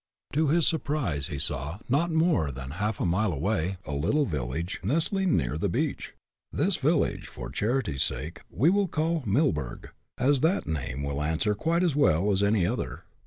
To his surprise he saw, not more than a half mile away, a little village, nestling near the beach. This village, for charity's sake, we will call Millburg, as that name will answer quite us well as any other.